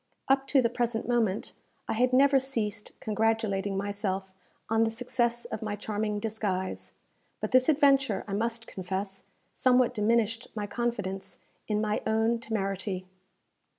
Up to the present moment I had never ceased congratulating myself on the success of my charming disguise; but this adventure, I must confess, somewhat diminished my confidence in my own temerity.